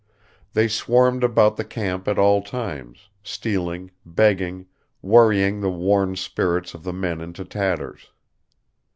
They swarmed about the camp at all times, stealing, begging, worrying the worn spirits of the men into tatters.